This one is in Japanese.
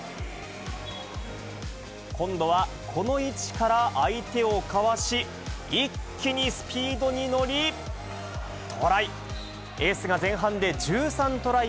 今度はこの位置から相手をかわし、一気にスピードに乗りトライ。